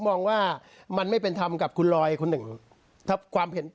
มองว่ามันไม่เป็นธรรมกับคุณลอยคนหนึ่งถ้าความเห็น